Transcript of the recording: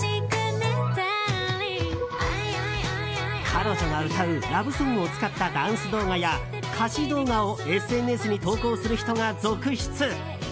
彼女が歌うラブソングを使ったダンス動画や歌詞動画をＳＮＳに投稿する人が続出。